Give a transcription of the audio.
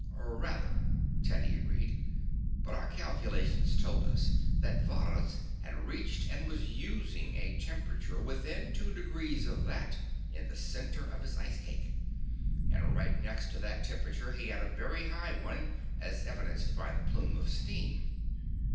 "Rather," Teddy agreed. "But our calculations told us that Varrhus had reached and was using a temperature within two degrees of that in the center of his ice cake. And right next to that temperature he had a very high one, as evidenced by the plume of steam."